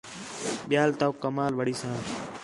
ٻِیال توک کمال وڑی ساں